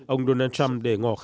ông donald trump để ngò khả năng